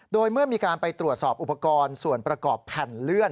โดยเมื่อมีการไปตรวจสอบอุปกรณ์ส่วนประกอบแผ่นเลื่อน